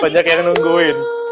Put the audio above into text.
banyak yang nungguin